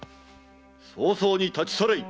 早々に立ち去れい！